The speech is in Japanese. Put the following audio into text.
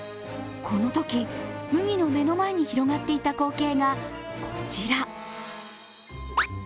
このとき、むぎの目の前に広がっていた光景がこちら。